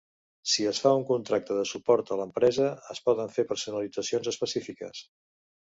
Si es fa un contracte de suport a l'empresa, es poden fer personalitzacions específiques.